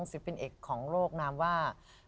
ศิลปินเอกของโลกนามว่า